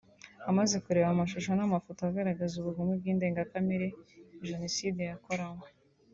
Amaze kureba amashuro n’amafoto agaragaza ubugome bw’indengakamere Jenoside yakoranywe